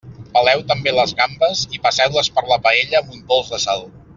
Peleu també les gambes i passeu-les per la paella amb un pols de sal.